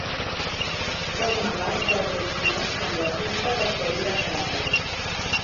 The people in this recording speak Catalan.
Forma part del que es coneix com la pista de Florida Cracker.